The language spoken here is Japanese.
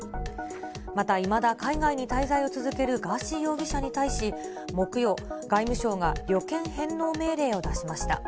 またいまだ海外に滞在を続けるガーシー容疑者に対し、木曜、外務省が旅券返納命令を出しました。